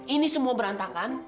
ini semua berantakan